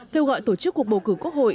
kêu gọi tổ chức cuộc bầu cử quốc hội